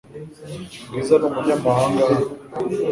Bwiza ni umunyamahanga hano .